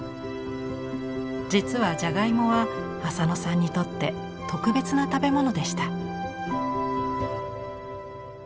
実はじゃがいもは浅野さんにとって特別な食べ物でした。